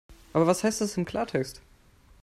Aber was heißt das im Klartext?